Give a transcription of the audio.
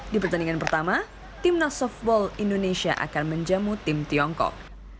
di pertandingan pertama timnas softball indonesia akan menjamu tim tiongkok